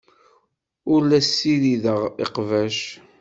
Ur la ssirideɣ iqbac.